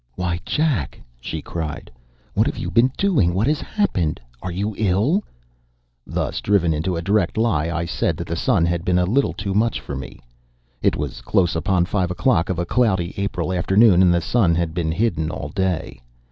"Why, Jack," she cried, "what have you been doing? What has happened? Are you ill?" Thus driven into a direct lie, I said that the sun had been a little too much for me. It was close upon five o'clock of a cloudy April afternoon, and the sun had been hidden all day.